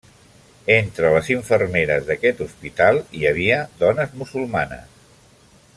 Entre les infermeres d'aquest hospital hi havia dones musulmanes.